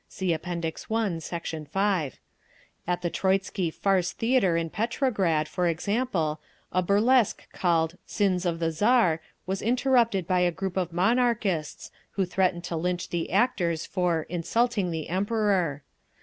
(See App. I, Sect. 5) At the Troitsky Farce theatre in Petrograd, for example, a burlesque called Sins of the Tsar was interrupted by a group of Monarchists, who threatened to lynch the actors for "insulting the Emperor."